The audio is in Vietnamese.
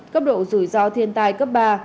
cấp độ rủi ro thiên tai cấp ba